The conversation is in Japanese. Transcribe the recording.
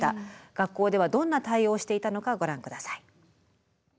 学校ではどんな対応をしていたのかご覧下さい。